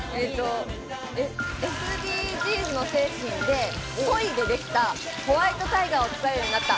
ＳＤＧｓの精神でソイでできたホワイトタイガーを使うようになった。